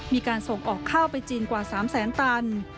มีการส่งออกข้าวไปจีนกว่า๓แสนตัน